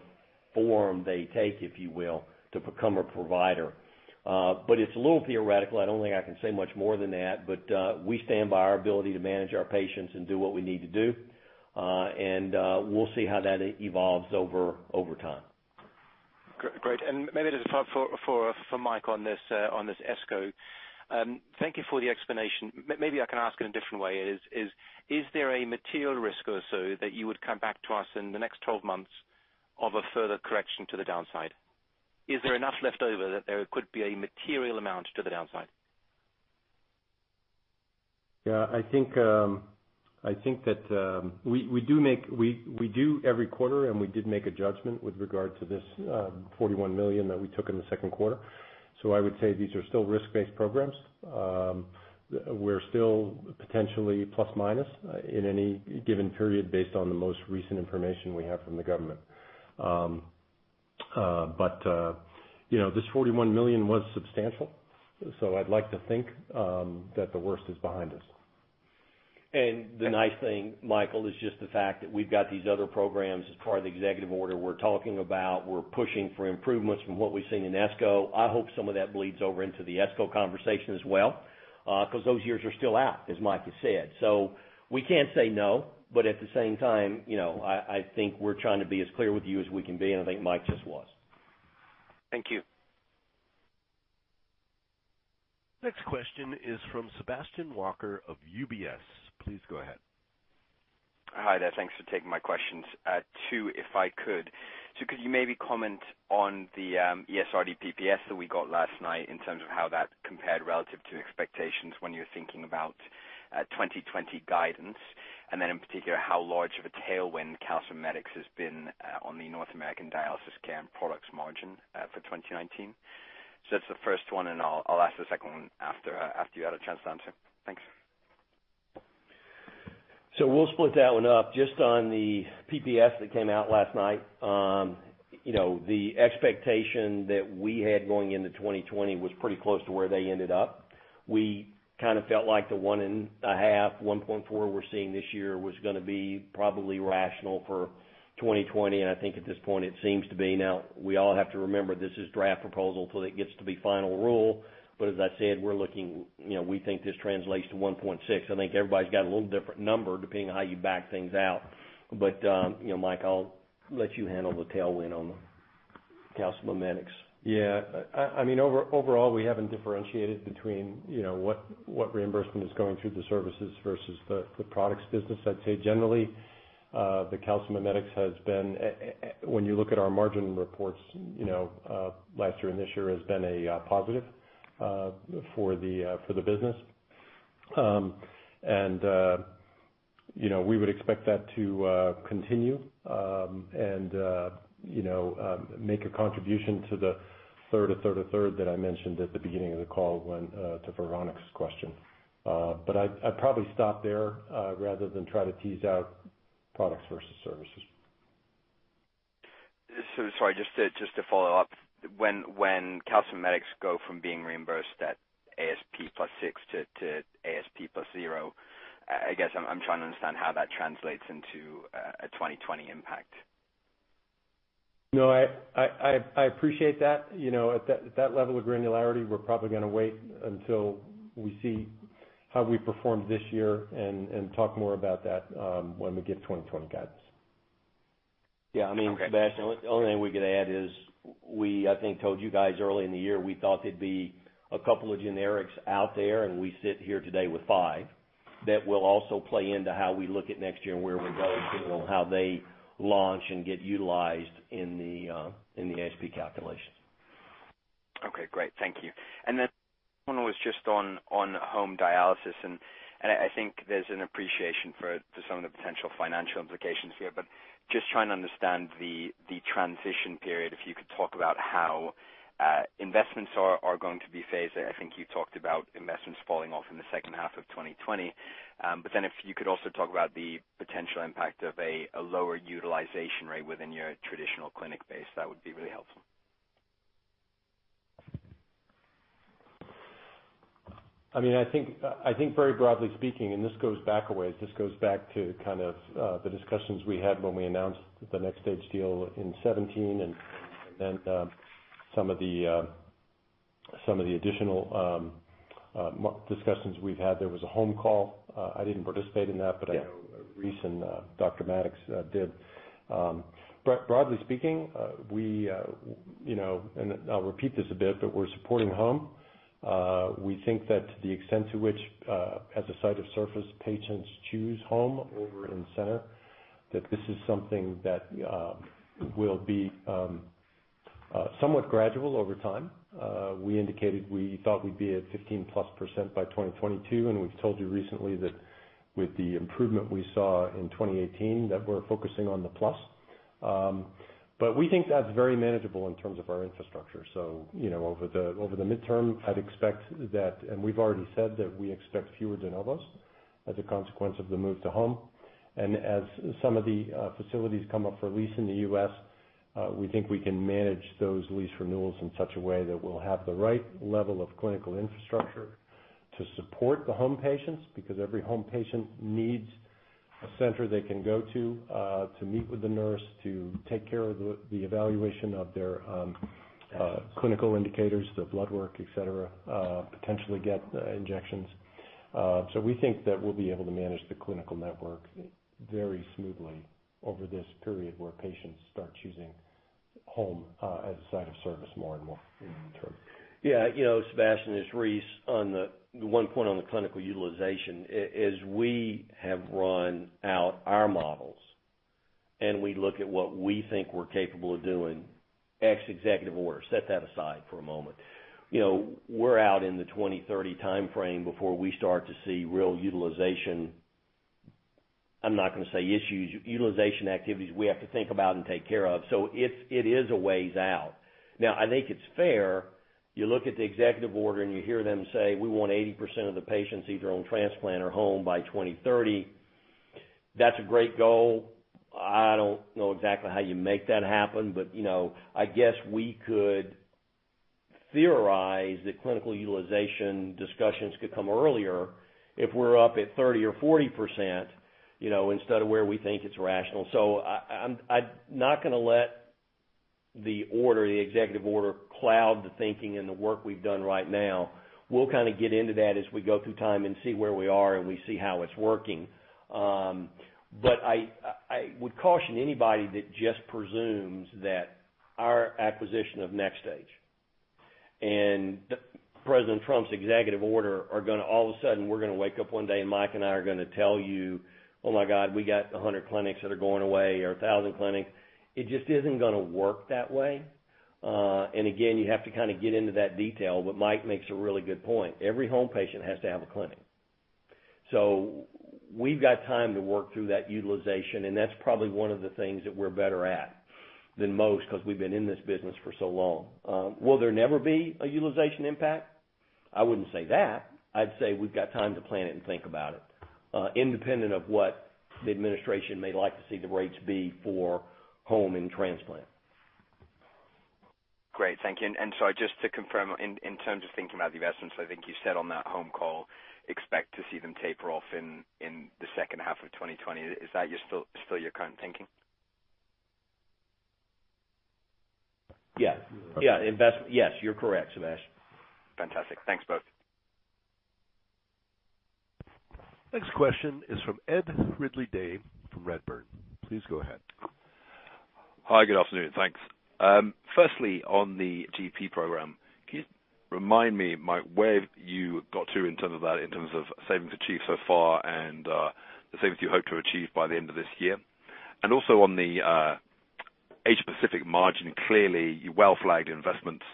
form they take, if you will, to become a provider. It's a little theoretical. I don't think I can say much more than that, but we stand by our ability to manage our patients and do what we need to do. We'll see how that evolves over time. Great. Maybe just one for Mike on this ESCO. Thank you for the explanation. Maybe I can ask in a different way, is there a material risk or so that you would come back to us in the next 12 months of a further correction to the downside? Is there enough left over that there could be a material amount to the downside? I think that we do every quarter, and we did make a judgment with regard to this 41 million that we took in the second quarter. I would say these are still risk-based programs. We're still potentially plus/minus in any given period based on the most recent information we have from the government. This 41 million was substantial, so I'd like to think that the worst is behind us. The nice thing, Michael, is just the fact that we've got these other programs as part of the executive order we're talking about. We're pushing for improvements from what we've seen in ESCO. I hope some of that bleeds over into the ESCO conversation as well, because those years are still out, as Mike has said. We can't say no, but at the same time, I think we're trying to be as clear with you as we can be, and I think Mike just was. Thank you. Next question is from Sebastian Walker of UBS. Please go ahead. Hi there. Thanks for taking my questions. Two, if I could. Could you maybe comment on the ESRD PPS that we got last night in terms of how that compared relative to expectations when you're thinking about 2020 guidance, and then in particular, how large of a tailwind calcimimetics has been on the North American dialysis care and products margin for 2019? That's the first one, and I'll ask the second one after you had a chance to answer. Thanks. We'll split that one up. Just on the PPS that came out last night. The expectation that we had going into 2020 was pretty close to where they ended up. We kind of felt like the one and a half, 1.4 we're seeing this year was going to be probably rational for 2020, and I think at this point it seems to be. We all have to remember this is draft proposal till it gets to be final rule. As I said, we think this translates to 1.6. I think everybody's got a little different number depending on how you back things out. Mike, I'll let you handle the tailwind on the calcimimetics. Yeah. Overall, we haven't differentiated between what reimbursement is going through the services versus the products business. I'd say generally, the calcimimetics has been, when you look at our margin reports, last year and this year has been a positive for the business. We would expect that to continue and make a contribution to the third that I mentioned at the beginning of the call when to Veronika's question. I'd probably stop there rather than try to tease out products versus services. Sorry, just to follow up. When calcimimetics go from being reimbursed at ASP plus six to ASP plus zero, I guess I'm trying to understand how that translates into a 2020 impact. No, I appreciate that. At that level of granularity, we're probably going to wait until we see how we perform this year and talk more about that when we give 2020 guidance. Yeah. Okay. Sebastian, the only thing we could add is we, I think, told you guys early in the year we thought there'd be a couple of generics out there, and we sit here today with five. That will also play into how we look at next year and where we're going depending on how they launch and get utilized in the ASP calculation. Okay, great. Thank you. One was just on home dialysis, and I think there's an appreciation for some of the potential financial implications here, but just trying to understand the transition period, if you could talk about how investments are going to be phase. I think you talked about investments falling off in the second half of 2020. If you could also talk about the potential impact of a lower utilization rate within your traditional clinic base, that would be really helpful. I think very broadly speaking, and this goes back a ways, this goes back to kind of the discussions we had when we announced the NxStage deal in 2017 and then some of the additional discussions we've had. There was a home call. I didn't participate in that. Yeah I know Rice and Dr. Maddux did. Broadly speaking, we, and I'll repeat this a bit, we're supporting home. We think that to the extent to which, as a site of service, patients choose home over in-center, that this is something that will be somewhat gradual over time. We indicated we thought we'd be at 15%+ by 2022, and we've told you recently that with the improvement we saw in 2018, we're focusing on the plus. We think that's very manageable in terms of our infrastructure. Over the midterm, I'd expect that, and we've already said that we expect fewer de novos as a consequence of the move to home. As some of the facilities come up for lease in the U.S., we think we can manage those lease renewals in such a way that we'll have the right level of clinical infrastructure to support the home patients, because every home patient needs a center they can go to meet with the nurse, to take care of the evaluation of their clinical indicators, their blood work, et cetera, potentially get injections. We think that we'll be able to manage the clinical network very smoothly over this period where patients start choosing home as a site of service more and more in the interim. Yeah. Sebastian, it's Rice. On the one point on the clinical utilization, as we have run out our models and we look at what we think we're capable of doing, ex executive order, set that aside for a moment. We're out in the 2030 timeframe before we start to see real utilization, I'm not going to say issues, utilization activities we have to think about and take care of. It is a ways out. Now, I think it's fair, you look at the executive order and you hear them say, "We want 80% of the patients either on transplant or home by 2030." That's a great goal. I don't know exactly how you make that happen, I guess we could theorize that clinical utilization discussions could come earlier if we're up at 30% or 40%, instead of where we think it's rational. I'm not going to let the Executive Order cloud the thinking and the work we've done right now. We'll kind of get into that as we go through time and see where we are and we see how it's working. I would caution anybody that just presumes that our acquisition of NxStage and President Trump's Executive Order are going to all of a sudden, we're going to wake up one day and Mike and I are going to tell you, "Oh my God, we got 100 clinics that are going away or 1,000 clinics." It just isn't going to work that way. Again, you have to kind of get into that detail, but Mike makes a really good point. Every home patient has to have a clinic. We've got time to work through that utilization, and that's probably one of the things that we're better at than most because we've been in this business for so long. Will there never be a utilization impact? I wouldn't say that. I'd say we've got time to plan it and think about it, independent of what the administration may like to see the rates be for home and transplant. Great. Thank you. Sorry, just to confirm, in terms of thinking about the investments, I think you said on that home call, expect to see them taper off in the second half of 2020. Is that still your current thinking? Yeah. Yeah. Yes, you're correct, Sebastian. Fantastic. Thanks, both. Next question is from Ed Ridley-Day from Redburn. Please go ahead. Hi, good afternoon. Thanks. Firstly, on the GEP program, can you remind me, Mike, where you got to in terms of that, in terms of savings achieved so far and the savings you hope to achieve by the end of this year? Also on the Asia Pacific margin, clearly you well flagged investments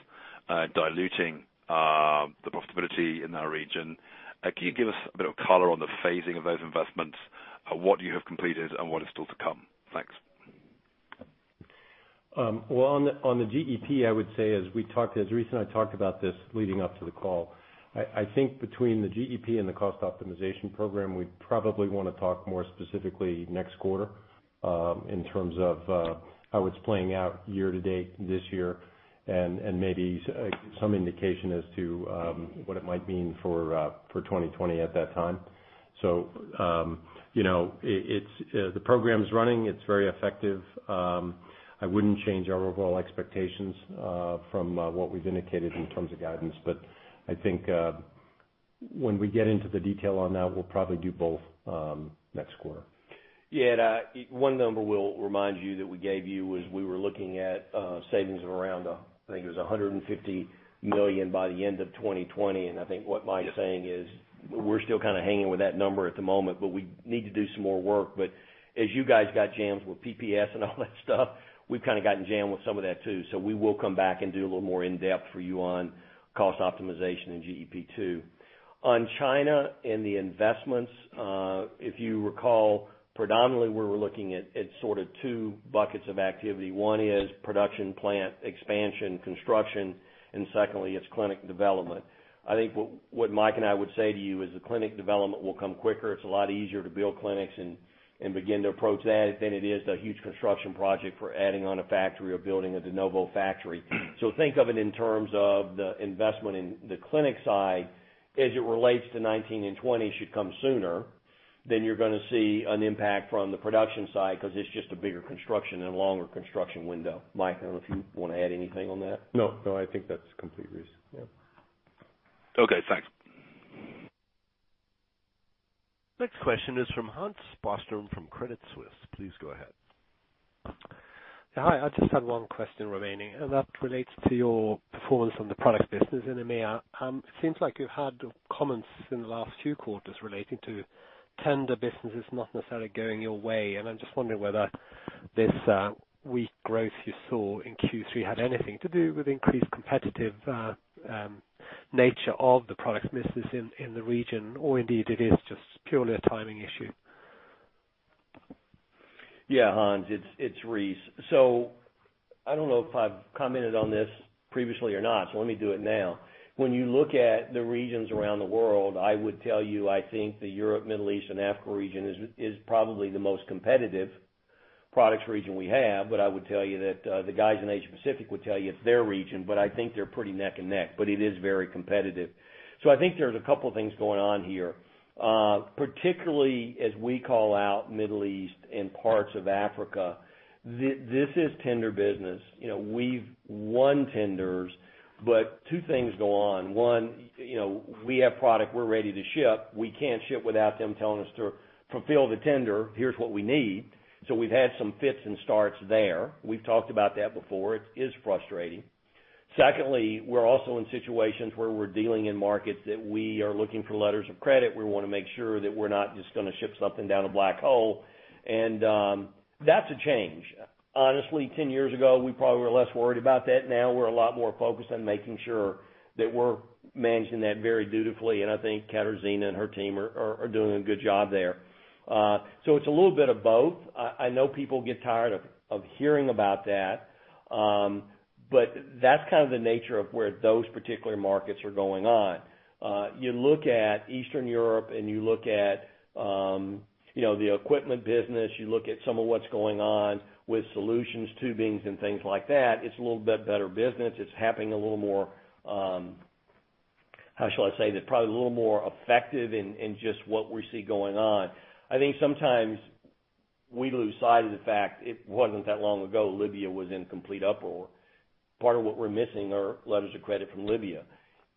diluting the profitability in that region. Can you give us a bit of color on the phasing of those investments? What you have completed and what is still to come. Thanks. Well, on the GEP, I would say, as recent I talked about this leading up to the call, I think between the GEP and the cost optimization program, we probably want to talk more specifically next quarter, in terms of how it's playing out year to date this year and maybe some indication as to what it might mean for 2020 at that time. The program's running, it's very effective. I wouldn't change our overall expectations from what we've indicated in terms of guidance. I think when we get into the detail on that, we'll probably do both next quarter. One number we will remind you that we gave you was we were looking at savings of around, I think it was 150 million by the end of 2020. I think what Mike's saying is we are still kind of hanging with that number at the moment. We need to do some more work. As you guys got jammed with PPS and all that stuff, we have kind of gotten jammed with some of that too. We will come back and do a little more in-depth for you on cost optimization and GEP too. On China and the investments, if you recall, predominantly where we are looking at sort of two buckets of activity. One is production plant expansion construction. Secondly, it is clinic development. I think what Mike and I would say to you is the clinic development will come quicker. It's a lot easier to build clinics and begin to approach that than it is a huge construction project for adding on a factory or building a de novo factory. Think of it in terms of the investment in the clinic side, as it relates to 2019 and 2020 should come sooner, then you're going to see an impact from the production side because it's just a bigger construction and longer construction window. Mike, I don't know if you want to add anything on that. No, I think that's complete, Rice. Yeah. Okay, thanks. Next question is from Hans Bostrom from Credit Suisse. Please go ahead. Yeah. Hi. I just had one question remaining. That relates to your performance on the products business in EMEA. It seems like you've had comments in the last few quarters relating to tender businesses not necessarily going your way. I'm just wondering whether this weak growth you saw in Q2 had anything to do with increased competitive nature of the products business in the region, or indeed it is just purely a timing issue. Yeah, Hans, it's Rice. I don't know if I've commented on this previously or not, let me do it now. When you look at the regions around the world, I would tell you, I think the Europe, Middle East, and Africa region is probably the most competitive products region we have. I would tell you that the guys in Asia Pacific would tell you it's their region, but I think they're pretty neck and neck, but it is very competitive. I think there's a couple things going on here. Particularly as we call out Middle East and parts of Africa, this is tender business. We've won tenders, two things go on. One, we have product we're ready to ship. We can't ship without them telling us to fulfill the tender. Here's what we need. We've had some fits and starts there. We've talked about that before. It is frustrating. Secondly, we're also in situations where we're dealing in markets that we are looking for letters of credit. We want to make sure that we're not just going to ship something down a black hole, and that's a change. Honestly, 10 years ago, we probably were less worried about that. Now we're a lot more focused on making sure that we're managing that very dutifully, and I think Katarzyna and her team are doing a good job there. It's a little bit of both. I know people get tired of hearing about that, but that's kind of the nature of where those particular markets are going on. You look at Eastern Europe and you look at the equipment business, you look at some of what's going on with solutions, tubings, and things like that, it's a little bit better business. It's happening a little more, how shall I say this? Probably a little more effective in just what we see going on. I think sometimes we lose sight of the fact it wasn't that long ago Libya was in complete uproar. Part of what we're missing are letters of credit from Libya.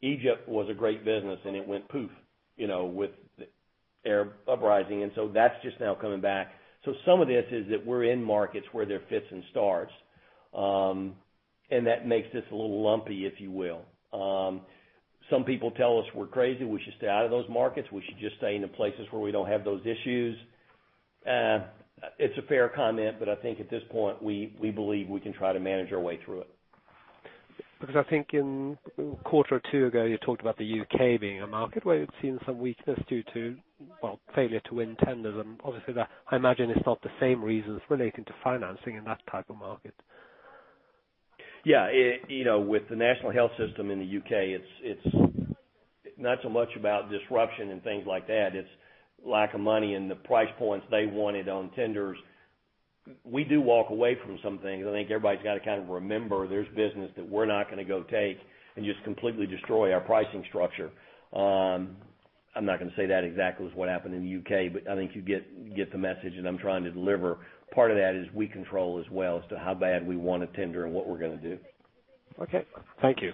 Egypt was a great business, and it went poof, with the Arab uprising, that's just now coming back. Some of this is that we're in markets where there are fits and starts. That makes this a little lumpy, if you will. Some people tell us we're crazy, we should stay out of those markets. We should just stay in the places where we don't have those issues. It's a fair comment, but I think at this point, we believe we can try to manage our way through it. I think in quarter or two ago, you talked about the U.K. being a market where you'd seen some weakness due to failure to win tenders. Obviously, I imagine it's not the same reasons relating to financing in that type of market. Yeah. With the national health system in the U.K., it's not so much about disruption and things like that. It's lack of money and the price points they wanted on tenders. We do walk away from some things. I think everybody's got to kind of remember there's business that we're not going to go take and just completely destroy our pricing structure. I'm not going to say that exactly is what happened in the U.K., I think you get the message that I'm trying to deliver. Part of that is we control as well as to how bad we want a tender and what we're going to do. Okay. Thank you.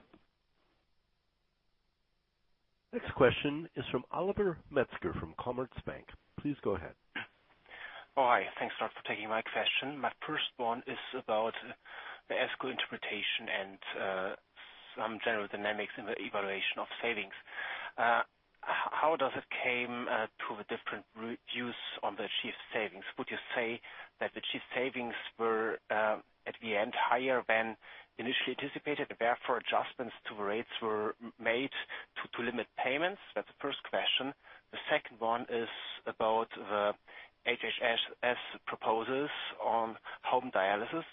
Next question is from Oliver Metzger of Commerzbank. Please go ahead. Hi. Thanks for taking my question. My first one is about the ESCO interpretation and some general dynamics in the evaluation of savings. How does it come to the different reviews on the achieved savings? Would you say that the achieved savings were, at the end, higher than initially anticipated, and therefore adjustments to the rates were made to limit payments? That's the first question. The second one is about the HHS proposals on home dialysis,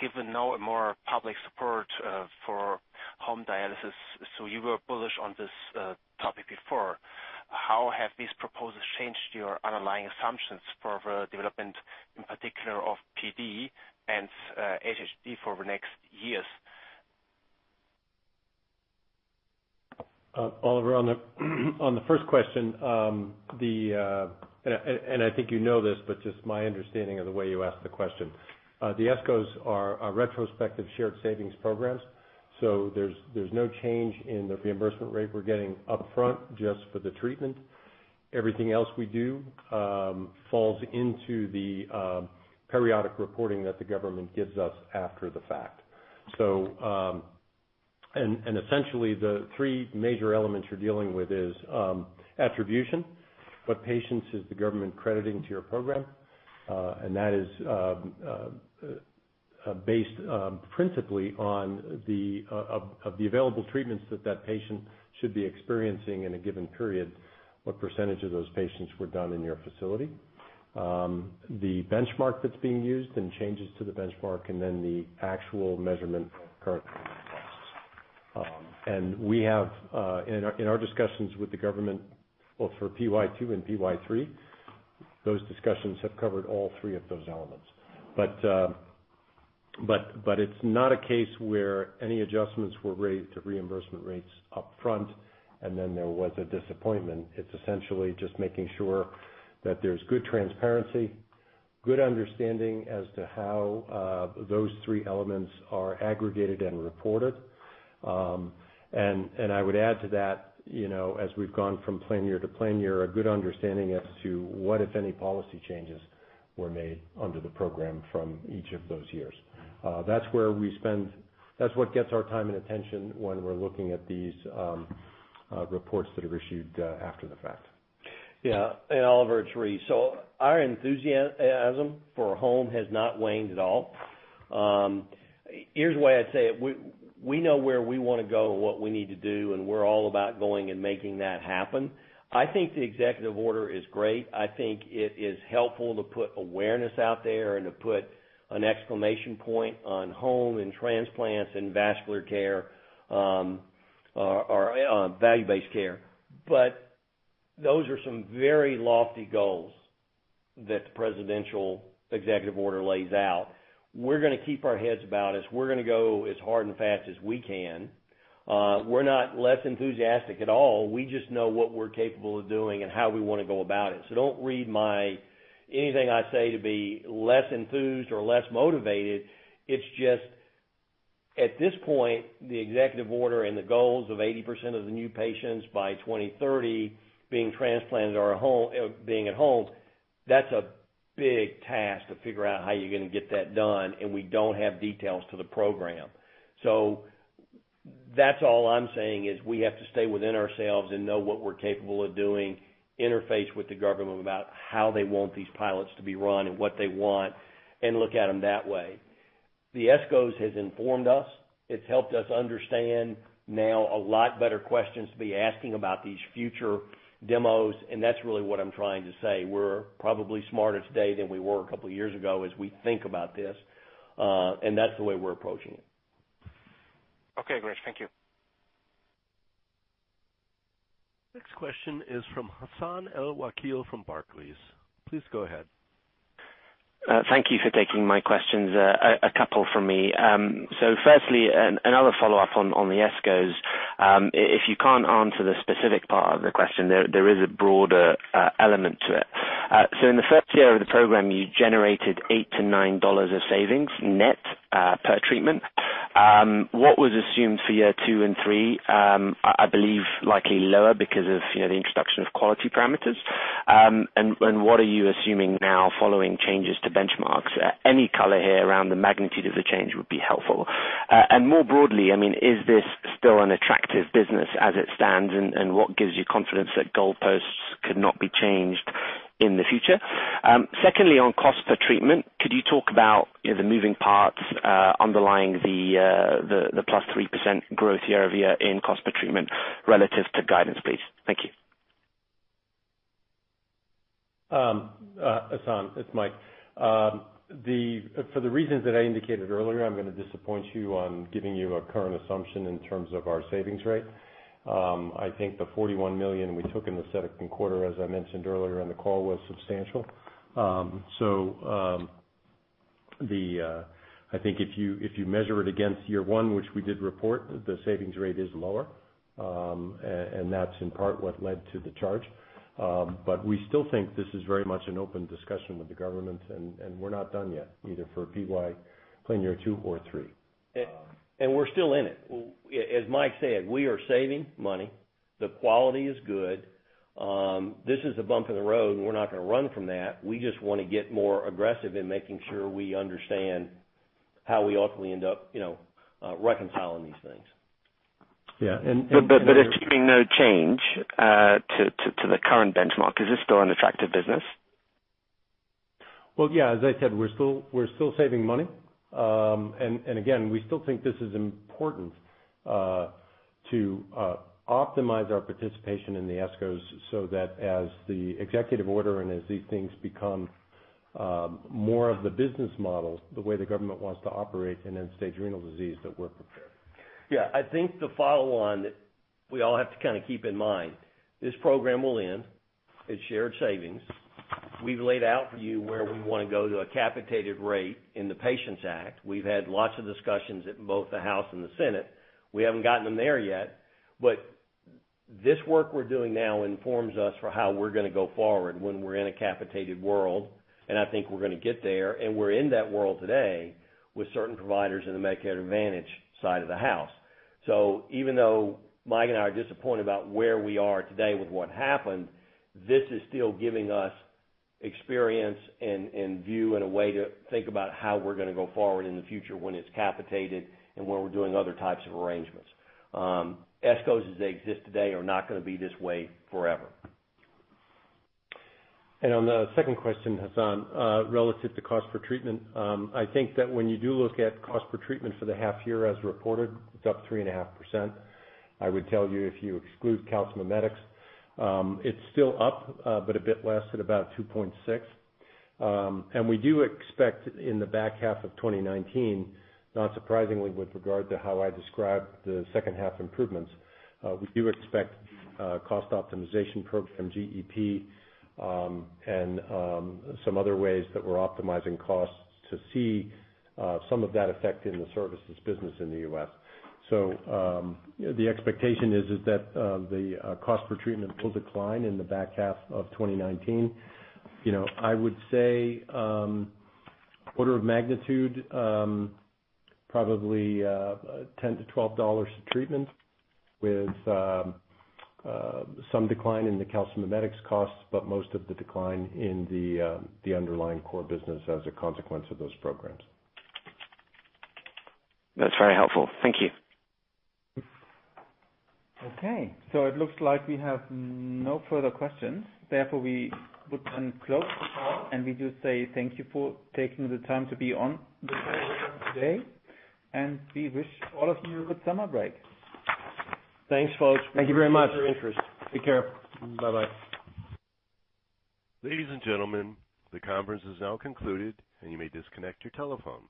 given now more public support for home dialysis. You were bullish on this topic before. How have these proposals changed your underlying assumptions for the development, in particular of PD and HHD for the next years? Oliver, on the first question, and I think you know this, but just my understanding of the way you asked the question, the ESCOs are retrospective shared savings programs. There's no change in the reimbursement rate we're getting upfront just for the treatment. Everything else we do falls into the periodic reporting that the government gives us after the fact. Essentially, the three major elements you're dealing with is attribution, what patients is the government crediting to your program. That is based principally on the available treatments that that patient should be experiencing in a given period, what percentage of those patients were done in your facility. The benchmark that's being used and changes to the benchmark, then the actual measurement of current costs. In our discussions with the government, both for PY2 and PY3, those discussions have covered all three of those elements. It's not a case where any adjustments were raised to reimbursement rates up front and then there was a disappointment. It's essentially just making sure that there's good transparency, good understanding as to how those three elements are aggregated and reported. I would add to that, as we've gone from plan year to plan year, a good understanding as to what, if any, policy changes were made under the program from each of those years. That's what gets our time and attention when we're looking at these reports that are issued after the fact. Yeah. Oliver, it's Rice. Our enthusiasm for home has not waned at all. Here's the way I'd say it. We know where we want to go and what we need to do, and we're all about going and making that happen. I think the executive order is great. I think it is helpful to put awareness out there and to put an exclamation point on home and transplants and vascular care, or value-based care. Those are some very lofty goals that the presidential executive order lays out. We're going to keep our heads about us. We're going to go as hard and fast as we can. We're not less enthusiastic at all. We just know what we're capable of doing and how we want to go about it. Don't read anything I say to be less enthused or less motivated. It's just, at this point, the executive order and the goals of 80% of the new patients by 2030 being transplanted or being at home, that's a big task to figure out how you're going to get that done. We don't have details to the program. That's all I'm saying is we have to stay within ourselves and know what we're capable of doing, interface with the government about how they want these pilots to be run and what they want, and look at them that way. The ESCOs has informed us. It's helped us understand now a lot better questions to be asking about these future demos. That's really what I'm trying to say. We're probably smarter today than we were a couple of years ago as we think about this. That's the way we're approaching it. Okay, great. Thank you. Next question is from Hassan Al-Wakeel from Barclays. Please go ahead. Thank you for taking my questions. A couple from me. Firstly, another follow-up on the ESCOs. If you can't answer the specific part of the question there is a broader element to it. In the first year of the program, you generated 8 to EUR 9 of savings net per treatment. What was assumed for year 2 and 3? I believe likely lower because of the introduction of quality parameters. What are you assuming now following changes to benchmarks? Any color here around the magnitude of the change would be helpful. More broadly, is this still an attractive business as it stands, and what gives you confidence that goalposts could not be changed in the future? Secondly, on cost per treatment, could you talk about the moving parts underlying the plus 3% growth year-over-year in cost per treatment relative to guidance, please? Thank you. Hassan, it's Mike. For the reasons that I indicated earlier, I'm going to disappoint you on giving you a current assumption in terms of our savings rate. I think the 41 million we took in the second quarter, as I mentioned earlier in the call, was substantial. I think if you measure it against year one, which we did report, the savings rate is lower. That's in part what led to the charge. We still think this is very much an open discussion with the government, and we're not done yet either for PY plan year two or three. We're still in it. As Mike said, we are saving money. The quality is good. This is a bump in the road, and we're not going to run from that. We just want to get more aggressive in making sure we understand how we ultimately end up reconciling these things. Yeah. Assuming no change to the current benchmark, is this still an attractive business? Well, yeah, as I said, we're still saving money. Again, we still think this is important to optimize our participation in the ESCOs so that as the executive order, and as these things become more of the business model, the way the government wants to operate in end-stage renal disease, that we're prepared. Yeah. I think the follow on that we all have to kind of keep in mind, this program will end. It's shared savings. We've laid out for you where we want to go to a capitated rate in the PATIENTS Act. We've had lots of discussions at both the House and the Senate. We haven't gotten them there yet. This work we're doing now informs us for how we're going to go forward when we're in a capitated world, and I think we're going to get there, and we're in that world today with certain providers in the Medicare Advantage side of the house. Even though Mike and I are disappointed about where we are today with what happened, this is still giving us experience and view and a way to think about how we're going to go forward in the future when it's capitated and when we're doing other types of arrangements. ESCOs, as they exist today, are not going to be this way forever. On the second question, Hassan, relative to cost per treatment, I think that when you do look at cost per treatment for the half year as reported, it's up 3.5%. I would tell you, if you exclude calcimimetics, it's still up, but a bit less, at about 2.6. We do expect in the back half of 2019, not surprisingly, with regard to how I described the second half improvements, we do expect cost optimization program GEP, and some other ways that we're optimizing costs to see some of that effect in the services business in the U.S. The expectation is that the cost per treatment will decline in the back half of 2019. I would say, order of magnitude, probably EUR 10-EUR 12 a treatment with some decline in the calcimimetics costs, but most of the decline in the underlying core business as a consequence of those programs. That's very helpful. Thank you. Okay, it looks like we have no further questions. Therefore, we would then close the call, and we do say thank you for taking the time to be on the call with us today, and we wish all of you a good summer break. Thanks, folks. Thank you very much. Thanks for your interest. Take care. Bye-bye. Ladies and gentlemen, the conference is now concluded, and you may disconnect your telephone.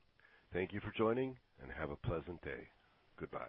Thank you for joining, and have a pleasant day. Goodbye.